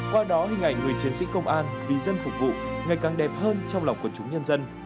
qua đó hình ảnh người chiến sĩ công an vì dân phục vụ ngày càng đẹp hơn trong lòng quần chúng nhân dân